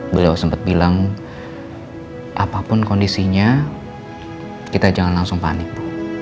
beliau sempat bilang apapun kondisinya kita jangan langsung panik